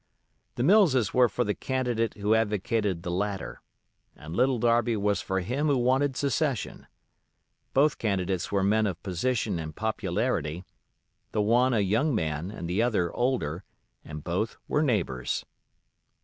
The Millses were for the candidate who advocated the latter, and Little Darby was for him who wanted secession. Both candidates were men of position and popularity, the one a young man and the other older, and both were neighbors.